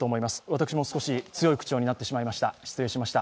私も少し強い口調になってしまいました、失礼いたしました。